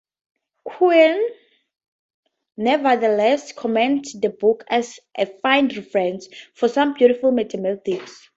Quinn nevertheless commends the book as "a fine reference" for some beautiful mathematics.